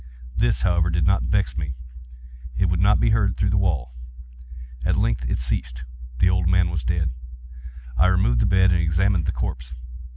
This, however, did not vex me; it would not be heard through the wall. At length it ceased. The old man was dead. I removed the bed and examined the corpse.